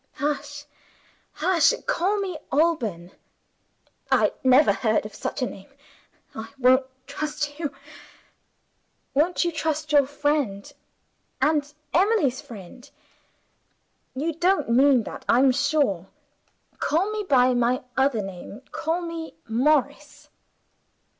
"Hush! hush! Call me Alban." "I never heard of such a name; I won't trust you." "You won't trust your friend, and Emily's friend? You don't mean that, I'm sure. Call me by my other name call me 'Morris.